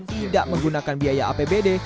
tidak menggunakan biaya apbd